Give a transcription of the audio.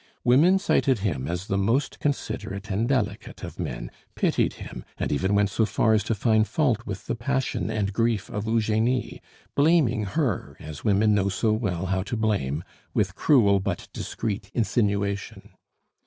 Women cited him as the most considerate and delicate of men, pitied him, and even went so far as to find fault with the passion and grief of Eugenie, blaming her, as women know so well how to blame, with cruel but discreet insinuation.